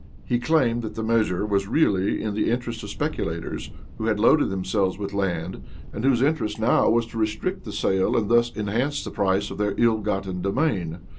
He claimed that the measure was really in the interest of speculators who had loaded themselves with land, and whose interest now was to restrict the sale and thus enhance the price of their ill gotten domain.